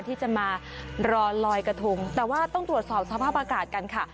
ที่จะมารอลอยกระทงแต่ว่าต้องตรวจสอบสภาพอากาศกันค่ะ